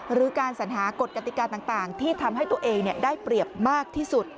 หรือการสัญหากฎกติกาต่างที่ทำให้ตัวเองได้เปรียบมากที่สุด